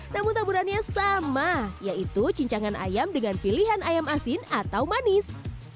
namun taburannya sama yaitu cincangan ayam dengan pilihan ayam asin atau manis